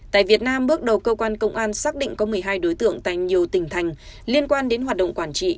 tại việt nam bước đầu cơ quan công an xác định có một mươi hai đối tượng tại nhiều tỉnh thành liên quan đến hoạt động quản trị